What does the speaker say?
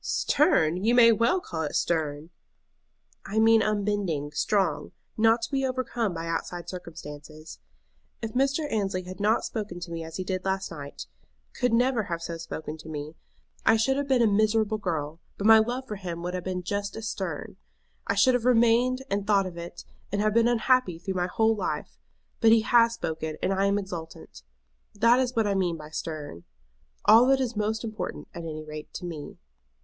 "Stern! you may well call it stern." "I mean unbending, strong, not to be overcome by outside circumstances. If Mr. Annesley had not spoken to me as he did last night, could never have so spoken to me, I should have been a miserable girl, but my love for him would have been just as stern. I should have remained and thought of it, and have been unhappy through my whole life. But he has spoken, and I am exultant. That is what I mean by stern. All that is most important, at any rate to me."